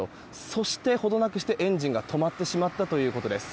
そして程なくしてエンジンが止まってしまったということです。